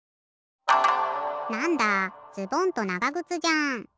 なんだズボンとながぐつじゃん。